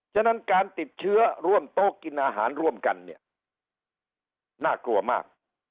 ฉะนั้นการติดเชื้อร่วมโต๊ะกินอาหารร่วมกันเนี่ยน่ากลัวมาก